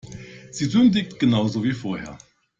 Sie sündigt genau so wie vorher.